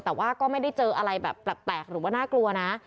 แต่ว่าก็ไม่ได้เจออะไรแบบแปลกหรือว่าน่ากลัวนะ